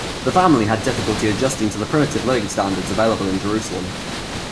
The family had difficulty adjusting to the primitive living standards then available in Jerusalem.